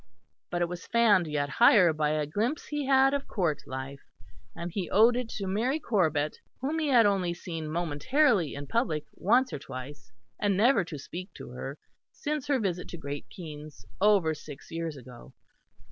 But it was fanned yet higher by a glimpse he had of Court life; and he owed it to Mary Corbet whom he had only seen momentarily in public once or twice, and never to speak to since her visit to Great Keynes over six years ago.